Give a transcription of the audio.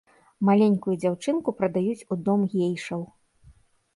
Маленькую дзяўчынку прадаюць у дом гейшаў.